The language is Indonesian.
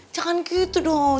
jangan gitu dong